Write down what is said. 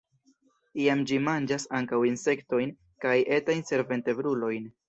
Iam ĝi manĝas ankaŭ insektojn kaj etajn senvertebrulojn.